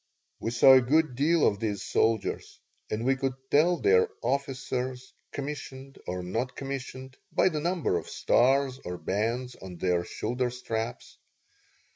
We saw a good deal of these soldiers, and we could tell their officers, commissioned or non commissioned, by the number of stars or bands on their shoulder straps.